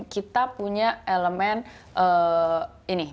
kita punya elemen ini